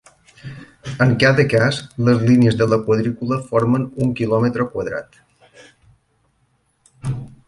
En cada cas, les línies de la quadrícula formen un quilòmetre quadrat.